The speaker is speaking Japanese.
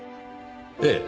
ええ。